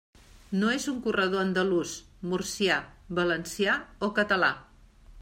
No és un corredor andalús, murcià, valencià o català.